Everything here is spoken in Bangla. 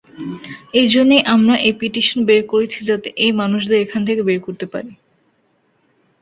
এজন্যই আমরা এই পিটিশন বের করেছি যাতে এই মানুষদের এখান থেকে বের করতে পারি।